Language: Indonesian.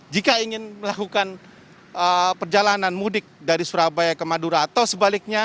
jika ingin melakukan perjalanan mudik dari surabaya ke madura atau sebaliknya